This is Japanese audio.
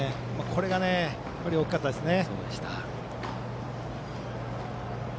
これが、大きかったですね。